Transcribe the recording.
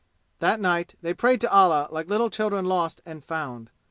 That night they prayed to Allah like little children lost and found.